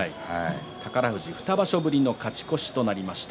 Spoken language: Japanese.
宝富士、２場所ぶりの勝ち越しとなりました。